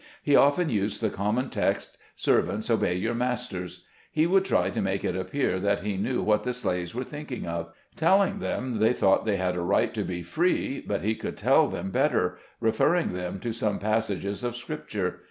He often used the common text: "Servants, obey your masters.'' He would try to make it appear that he knew what the slaves were thinking of — telling them they thought they had a right to be free, but he could tell them better — referring them to some passages of Scripture.